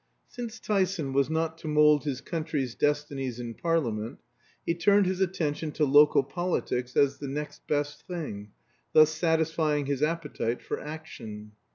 Since Tyson was not to mold his country's destinies in Parliament, he turned his attention to local politics as the next best thing, thus satisfying his appetite for action.